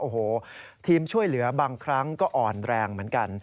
โอ้โหทีมช่วยเหลือบางครั้งก็อ่อนแรงเหมือนกัน